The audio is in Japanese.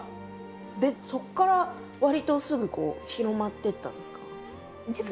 でそこからわりとすぐ広まってったんですか？